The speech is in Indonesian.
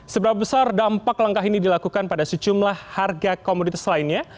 seberapa besar dampak langkah ini dilakukan pada sejumlah harga komoditas lainnya